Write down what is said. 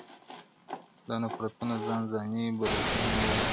دا نفرتونه ځان ځانۍ به له سینې و باسو-